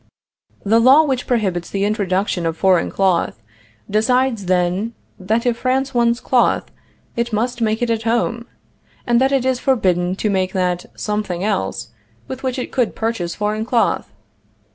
The law which prohibits the introduction of foreign cloth, decides, then, that if France wants cloth, it must make it at home, and that it is forbidden to make that something else with which it could purchase foreign cloth?